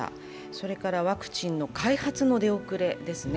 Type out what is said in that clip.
それからワクチンの開発の出遅れですね。